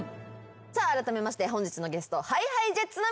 あらためまして本日のゲストＨｉＨｉＪｅｔｓの皆さんです。